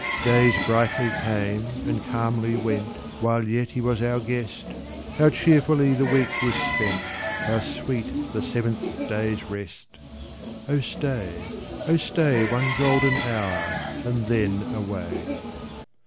Days brightly came and calmly went, While yet he was our guest ; How cheerfully the week was spent ! How sweet the seventh day's rest ! Oh stay, oh stay. One golden hour, and then away.